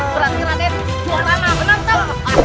berarti raten jualan aku